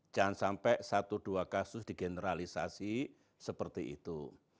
jangan sampai satu dua kasus digeneralisasi seperti itu